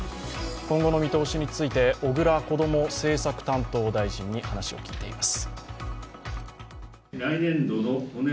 今後の見通しについて、小倉こども政策担当大臣に話を聞いています。